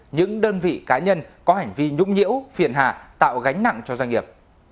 những đơn vị cá nhân có hành vi nhũng nhiễu phiền hà tạo gánh nặng cho doanh nghiệp